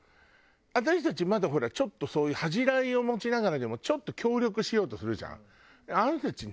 私たちまだほらそういう恥じらいを持ちながらでもちょっと協力しようとするじゃん。